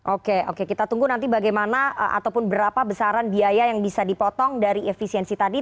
oke oke kita tunggu nanti bagaimana ataupun berapa besaran biaya yang bisa dipotong dari efisiensi tadi